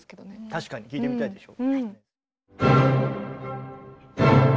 確かに聴いてみたいでしょ。